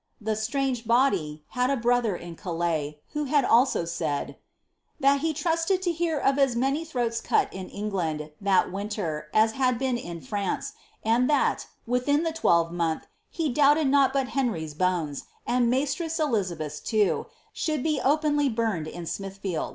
The •'strange bi«ly" %ad a brother in Calais, who had also said, •■ that he trusted to hear of u many throats cut in England, that winier, as had been in France, and that, within the twelvemonth, he doubled not hut Henry's bones, and wtaistres Elizabeth's loo, should he openly buined in Siniihliehl."